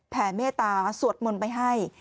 เมตตาสวดมนต์ไปให้